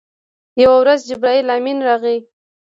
یوه ورځ جبرائیل امین راغی.